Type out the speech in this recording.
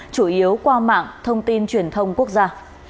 chủ yếu qua mạng thông tin truyền thông quốc gia